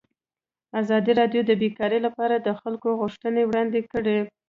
ازادي راډیو د بیکاري لپاره د خلکو غوښتنې وړاندې کړي.